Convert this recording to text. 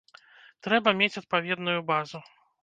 Трэба мець адпаведную базу.